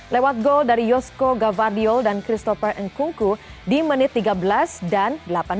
lewat gol dari yosko gavardiol dan christopher engkungku di menit tiga belas dan delapan belas